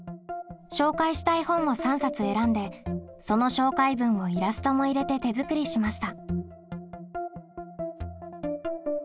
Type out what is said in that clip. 紹介したい本を３冊選んでその紹介文をイラストも入れて手作りしました。